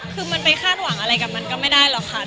คือมันไปคาดหวังอะไรกับมันก็ไม่ได้หรอกค่ะ